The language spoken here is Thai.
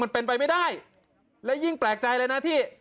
ไปไม่ได้และยิ่งแปลกใจเลยนะที่